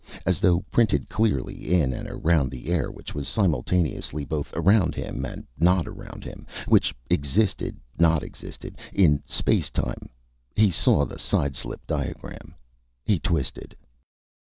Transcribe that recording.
As though printed clearly in and around the air, which was simultaneously both around him and not around him, which existed/not existed in spacetime, he saw the sideslip diagram. He twisted.